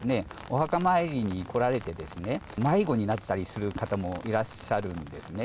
なかなか園内広いのでですね、お墓参りに来られて、迷子になったりする方もいらっしゃるんですね。